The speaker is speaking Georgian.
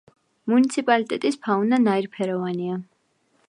მუნიციპალიტეტის ფაუნა ნაირფეროვანია.